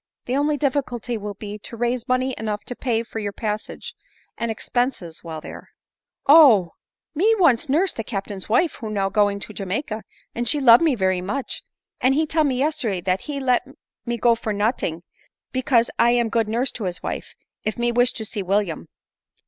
The only difficulty will be to raise money enough to pay for your passage, and expenses while there." ■M ADELINE MOWBRAY. 233 " Oh ! me once nurse the captain's wife who now going to Jamiaca, and she love me very much ; and he tell me yesterday that he let me go for noting, because I am good nurse to bis wife, if me wish to see William."